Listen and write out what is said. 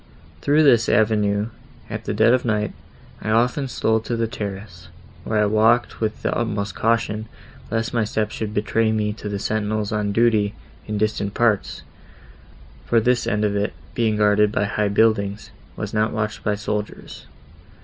Through this avenue, at the dead of night, I often stole to the terrace, where I walked with the utmost caution, lest my steps should betray me to the sentinels on duty in distant parts; for this end of it, being guarded by high buildings, was not watched by soldiers.